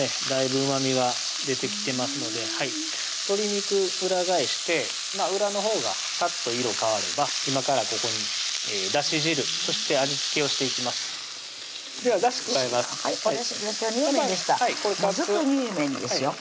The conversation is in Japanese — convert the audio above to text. だいぶうまみは出てきてますので鶏肉裏返して裏のほうがさっと色変われば今からここにだし汁そして味付けをしていきますではだし加えますおだしいきます